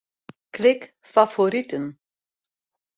Klik Favoriten.